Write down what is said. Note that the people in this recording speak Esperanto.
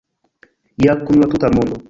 Ja kun la tuta mondo!